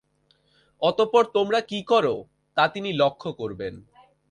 অতঃপর তোমরা কি কর তা তিনি লক্ষ্য করবেন।